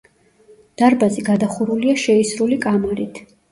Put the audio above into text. დარბაზი გადახურულია შეისრული კამარით.